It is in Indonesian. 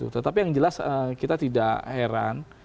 tetapi yang jelas kita tidak heran